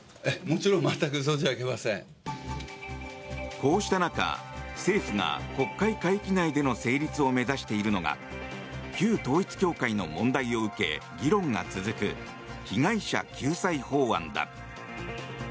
こうした中、政府が国会会期内での成立を目指しているのが旧統一教会の問題を受け議論が続く被害者救済法案だ。